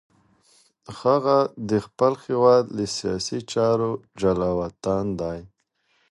هغه د خپل هېواد له سیاسي چارو جلاوطن دی.